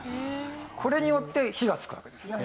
これによって火がつくわけですね。